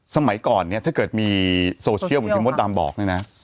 สมัยก่อนเนี่ยถ้าเกิดมีโซเชียลคุณมทรดามบอกนะ